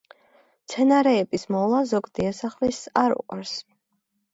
მცენარეების მოვლა ზოგ დიასახლისს არ უყვარს.